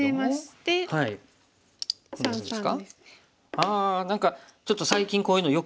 あ何かちょっと最近こういうのよく見ますが。